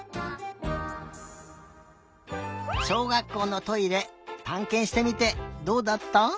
しょうがっこうのトイレたんけんしてみてどうだった？